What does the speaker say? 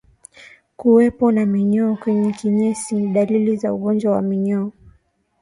Kuwepo na minyoo kwenye kinyesi ni dalili za ugonjwa wa minyoo